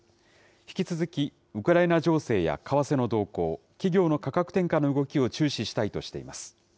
引き続きウクライナ情勢や為替の動向、企業の価格転嫁の動きを注視したいとしています。